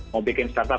mau bikin startup